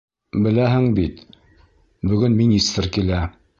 Беләһең бит, бөгөн министр килә.